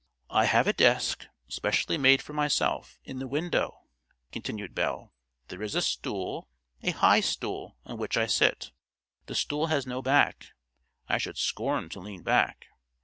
"I have a desk, specially made for myself, in the window," continued Belle; "there is a stool, a high stool, on which I sit. The stool has no back; I should scorn to lean back.